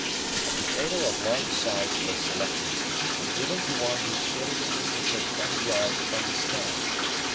A potato of large size was selected, and given to one who stood at the distance of twenty yards from the stand.